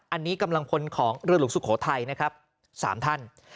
อันนี้กำลังพลของเรือหลวงสุโขทัยนะครับ๓ท่าน